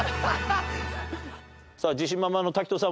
さあ自信満々の滝藤さん